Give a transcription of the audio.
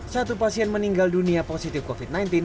satu pasien meninggal dunia positif covid sembilan belas